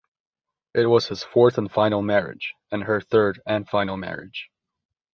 It was his fourth and final marriage, and her third and final marriage.